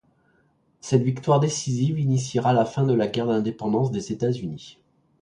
Cette victoire décisive initiera la fin de la guerre d'indépendance des États-Unis.